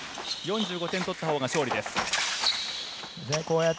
４５点を取ったほうが勝利です。